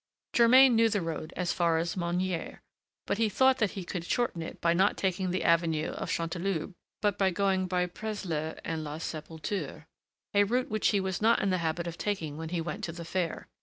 Germain knew the road as far as Magnier; but he thought that he could shorten it by not taking the avenue of Chanteloube, but going by Presles and La Sépulture, a route which he was not in the habit of taking when he went to the fair.